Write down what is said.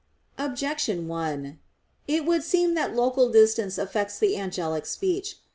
Objection 1: It would seem that local distance affects the angelic speech.